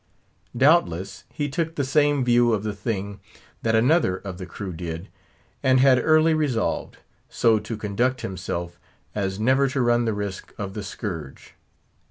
Doubtless, he took the same view of the thing that another of the crew did; and had early resolved, so to conduct himself as never to run the risk of the scourge.